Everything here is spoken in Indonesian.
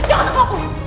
jangan suka aku